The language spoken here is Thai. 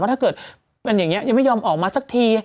เป็นอย่างนี้ยังไม่ยอมออกมาสักที